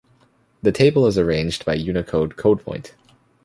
The table is arranged by Unicode code point.